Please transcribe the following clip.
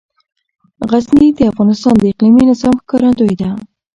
غزني د افغانستان د اقلیمي نظام ښکارندوی ده.